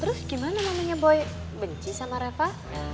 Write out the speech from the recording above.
terus gimana namanya boy benci sama reva